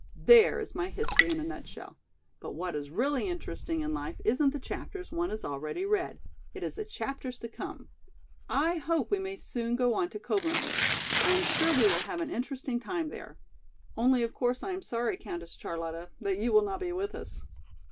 "There is my history in a nutshell, but what is really interesting in life isn't the chapters one has already read, it is the chapters to come. I hope we may soon go on to Coblenz. I am sure we will have an interesting time there. Only of course I am sorry, Countess Charlotta, that you will not be with us."